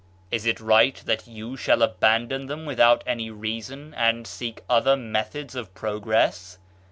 Is it right that you shall abandon them without any reason and seek other methods of progress?